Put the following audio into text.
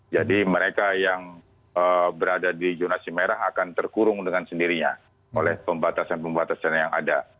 jadi mereka yang berada di zonasi merah akan terkurung dengan sendirinya oleh pembatasan pembatasan yang ada